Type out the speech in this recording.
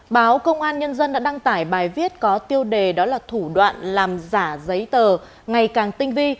báo công an nhân dân đã đăng tải bài viết có tiêu đề đó là thủ đoạn làm giả giấy tờ ngày càng tinh vi